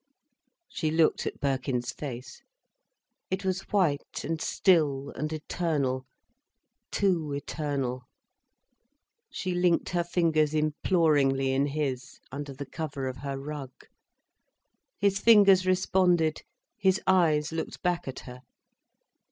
She looked at Birkin's face. It was white and still and eternal, too eternal. She linked her fingers imploringly in his, under the cover of her rug. His fingers responded, his eyes looked back at her.